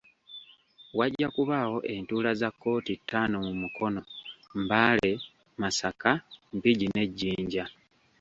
Wajja kubaawo entuula za kkooti ttaano mu Mukono, Mbale, Masaka, Mpigi ne Jinja.